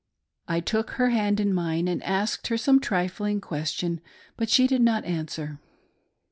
I took her hand in mine, and asked her some trifling ques tion ; but she did not answer.